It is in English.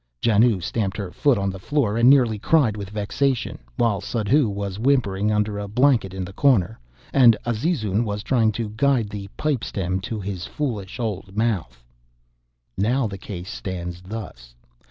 Janoo stamped her foot on the floor and nearly cried with vexation; while Suddhoo was whimpering under a blanket in the corner, and Azizun was trying to guide the pipe stem to his foolish old mouth. Now the case stands thus.